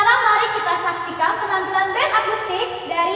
dari samuel j